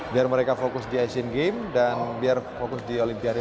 biar mereka fokus di asean games dan biar fokus di olimpiade dua ribu dua puluh